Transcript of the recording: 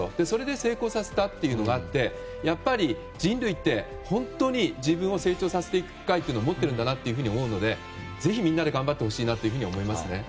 それで成功させたというのがあってやっぱり、人類って本当に自分を成長させていく機会を持っているんだなというふうに思うので、ぜひみんなで頑張ってほしいと思います。